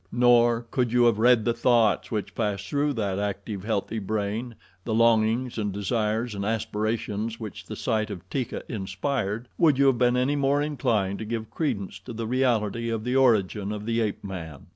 Nor, could you have read the thoughts which passed through that active, healthy brain, the longings and desires and aspirations which the sight of Teeka inspired, would you have been any more inclined to give credence to the reality of the origin of the ape man.